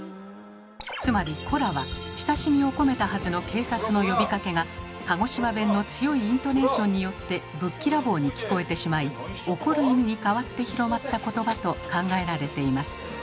つまり「コラ」は親しみを込めたはずの警察の呼びかけが鹿児島弁の強いイントネーションによってぶっきらぼうに聞こえてしまい怒る意味に変わって広まった言葉と考えられています。